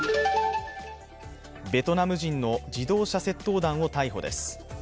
ベトナム人の自動車窃盗団を逮捕です。